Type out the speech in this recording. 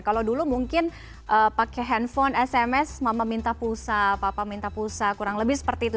kalau dulu mungkin pakai handphone sms mama minta pulsa papa minta pulsa kurang lebih seperti itu